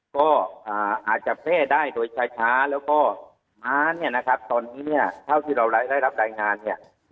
ก็อาจจะแพร่ได้โดยช้าแล้วก็ม้าเนี่ยนะครับตอนนี้เนี่ยเท่าที่เราได้รับรายงานเนี่ย